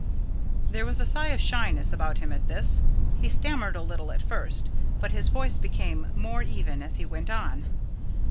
There was a sign of shyness about him at this. He stammered a little at first, but his voice became more even as he went on.